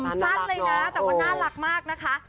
สั้นเลยนะแต่ว่าน่ารักมากนะคะ